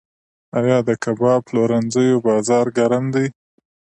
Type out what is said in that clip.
آیا د کباب پلورنځیو بازار ګرم دی؟